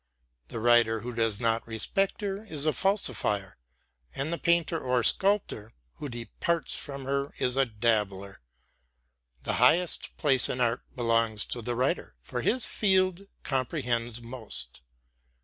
The writer who does not respect her is a falsifier, and the painter or sculptor who departs from her is a dabbler. The highest place in art belongs to the writer, for his field comprehends most.